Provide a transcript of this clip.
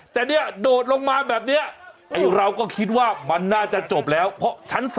แต่เนี่ยโดดลงมาแบบนี้ไอ้เราก็คิดว่ามันน่าจะจบแล้วเพราะชั้น๓